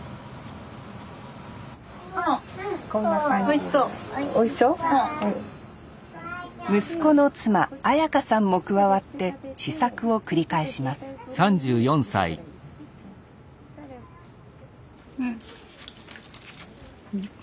息子の妻彩花さんも加わって試作を繰り返しますうん。